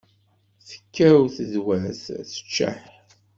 Tekkaw tedwat teččeḥ.